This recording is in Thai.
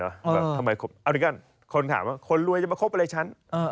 เอาหน่อยก่อนคนถามว่าคนรวยจะมาคบอะไรฉัน